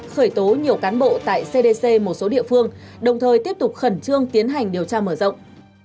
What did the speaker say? khởi tố nhiều cán bộ tại cdc một số địa phương đồng thời tiếp tục khẩn trương tiến hành điều tra mở rộng